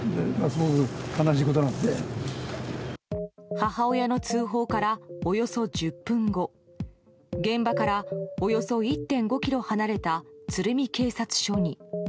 母親の通報からおよそ１０分後現場からおよそ１．５ｋｍ離れた鶴見警察署に。